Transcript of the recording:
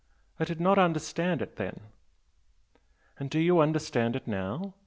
I did not understand it then." "And do you understand it now?"